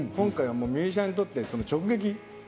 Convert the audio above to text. ミュージシャンにとって直撃。